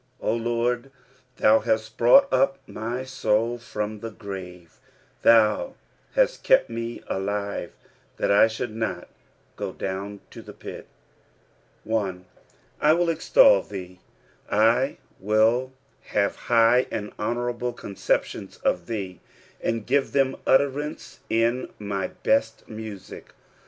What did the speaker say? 3 O Lord, thou hast brought up my soul from the grave ; thou hast kept me alive, that I should not go down to the pit. 1. "I wiB extol thee." I nill have high and honourable conceptioiiB of tbee, ■nd give them utterance in my hert music.